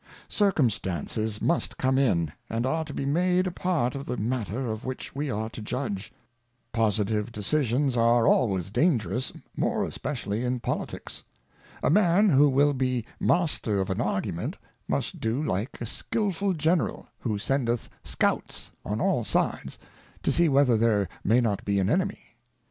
Circumstances must come in, and are to be made a part of the Matter of which we are to judge ; positxy£jDecisions are always dangerous, more especially in Politick^. A Man, / who of a New Model at Sea, 1 694. 1 7 1 who will be Master of an Argument^ must do like a skilful General, who sendeth Scouts on all sides, to see whether there may not be an Enemy.